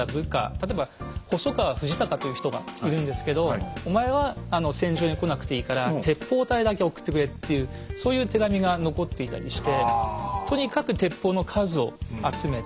例えば細川藤孝という人がいるんですけどお前は戦場に来なくていいから鉄砲隊だけ送ってくれっていうそういう手紙が残っていたりして。